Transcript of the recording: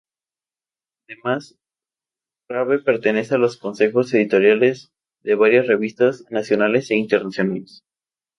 Además, Rabe pertenece a los consejos editoriales de varias revistas nacionales e internacionales.